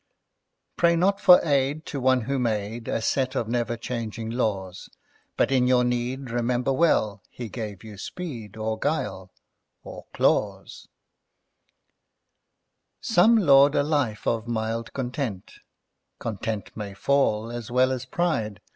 Pray not for aid to One who made A set of never changing Laws, But in your need remember well He gave you speed, or guile—or claws. Some laud a life of mild content: Content may fall, as well as Pride.